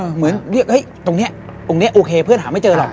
เหมือนเรียกตรงนี้ตรงนี้โอเคเพื่อนหาไม่เจอหรอก